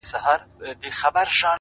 خو اوس دي گراني دا درسونه سخت كړل،